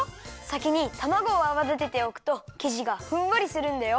さきにたまごをあわだてておくときじがふんわりするんだよ。